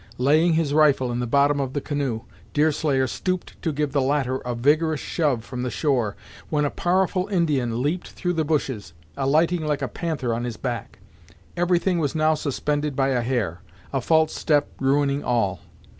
Laying his rifle in the bottom of the canoe, Deerslayer stooped to give the latter a vigorous shove from the shore, when a powerful Indian leaped through the bushes, alighting like a panther on his back. Everything was now suspended by a hair; a false step ruining all.